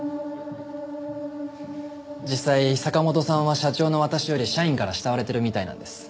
実際坂本さんは社長の私より社員から慕われてるみたいなんです。